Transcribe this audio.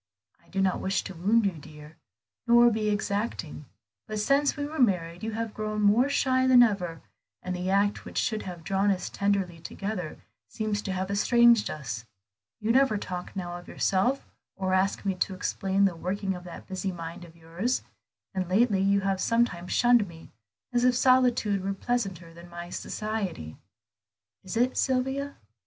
I do not wish to wound you, dear, nor be exacting; but since we were married you have grown more shy than ever, and the act which should have drawn us tenderly together seems to have estranged us. You never talk now of yourself, or ask me to explain the working of that busy mind of yours; and lately you have sometimes shunned me, as if solitude were pleasanter than my society. Is it, Sylvia?"